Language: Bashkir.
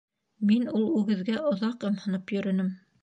— Мин ул үгеҙгә оҙаҡ ымһынып йөрөнөм.